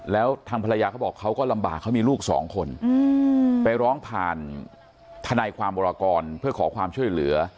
แล้วทางภรรยาเขาบอกเขาก็ลำบากเขามีลูกสองคนไปร้องผ่านทนายความวรกรเพื่อขอความช่วยเหลือ